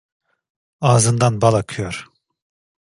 Ağzından bal akıyor.